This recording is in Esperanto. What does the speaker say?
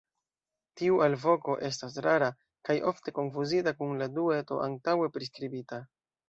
Tiu alvoko estas rara, kaj ofte konfuzita kun la 'dueto' antaŭe priskribita.